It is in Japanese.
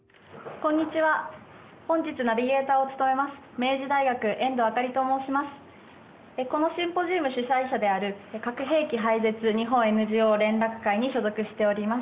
このシンポジウム主催者である核兵器廃絶日本ＮＧＯ連絡会に所属しております。